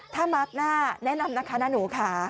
ถ้ามักหน้าแนะนำนะคะนางหนูคะ